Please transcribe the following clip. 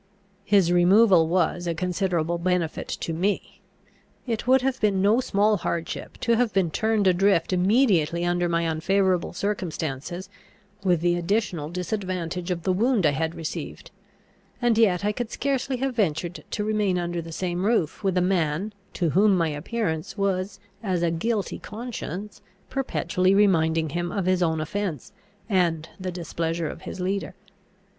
His removal was a considerable benefit to me. It would have been no small hardship to have been turned adrift immediately under my unfavourable circumstances, with the additional disadvantage of the wound I had received; and yet I could scarcely have ventured to remain under the same roof with a man, to whom my appearance was as a guilty conscience, perpetually reminding him of his own offence, and the displeasure of his leader.